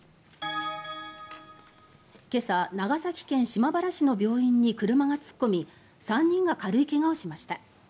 今朝、長崎県島原市の病院に車が突っ込み３人が軽い怪我をしました。